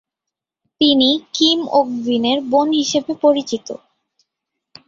তিনি কিম ওক-ভিনের বোন হিসাবে পরিচিত।